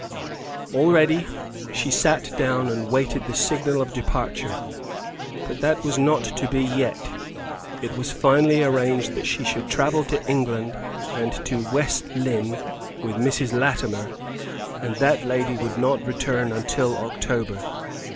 All ready, she sat down and waited the signal of departure; but that was not to be yet. It was finally arranged that she should travel to England and to West Lynne with Mrs. Latimer, and that lady would not return until October.